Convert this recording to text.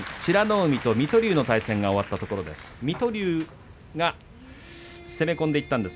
海と水戸龍の取組が終わったところです。